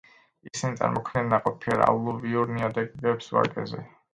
ისინი წარმოქმნიან ნაყოფიერ ალუვიურ ნიადაგებს ვაკეზე.